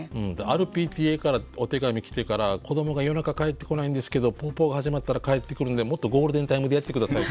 あるＰＴＡからお手紙来てから「子どもが夜中帰ってこないんですけど『ポーポー』が始まったら帰ってくるんでもっとゴールデンタイムでやって下さい」